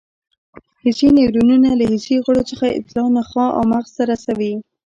حسي نیورونونه له حسي غړو څخه اطلاعات نخاع او مغز ته رسوي.